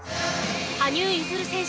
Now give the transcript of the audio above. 羽生結弦選手